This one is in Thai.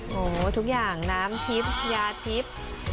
โอ้โฮทุกอย่างน้ำทิบยาทิบ